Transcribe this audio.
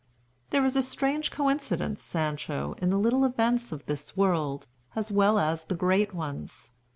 "There is a strange coincidence, Sancho, in the little events of this world, as well as the great ones.